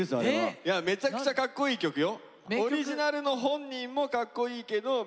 いやめちゃくちゃかっこいい曲よ。